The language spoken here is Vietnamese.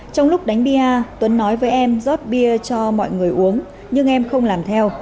trong lúc đánh bia tuấn nói với em rót bia cho mọi người uống nhưng em không làm theo